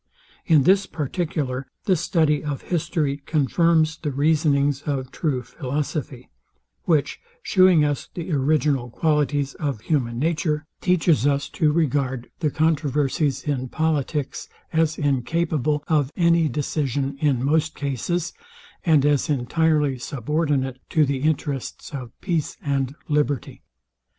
In this particular, the study of history confirms the reasonings of true philosophy; which, shewing us the original qualities of human nature, teaches us to regard the controversies in politics as incapable of any decision in most cases, and as entirely subordinate to the interests of peace and liberty.